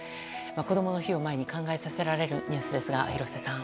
こどもの日を前に考えさせられるニュースですが、廣瀬さん。